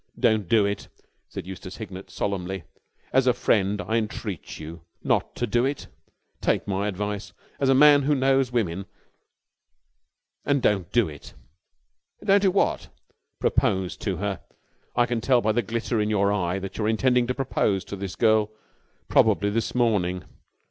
"Don't do it!" said Eustace Hignett solemnly. "As a friend I entreat you not to do it! Take my advice, as a man who knows women, and don't do it!" "Don't do what?" "Propose to her. I can tell by the glitter in your eye that you are intending to propose to this girl probably this morning.